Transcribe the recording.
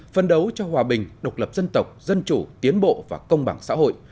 phân đấu cho hòa bình độc lập dân tộc dân chủ tiến bộ và công bằng xã hội